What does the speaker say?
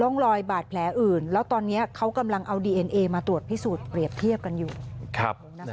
น่าสนใส่น้องมากเลยอ่ะนะคะ